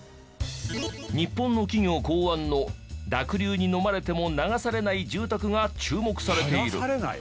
日本の企業考案の濁流にのまれても流されない住宅が注目されている。